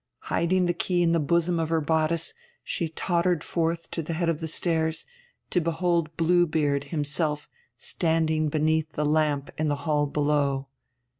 Hiding the key in the bosom of her bodice, she tottered forth to the head of the stairs, to behold Blue Beard himself standing beneath the lamp in the hall below.